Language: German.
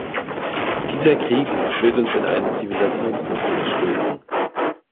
Dieser Krieg wird uns in einen Zivilisationskonflikt stürzen.